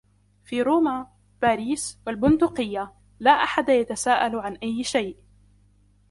في روما، باريس و البندقية، لا أحد يتساءل عن أي شيئ.